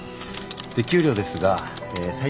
で給料ですがえ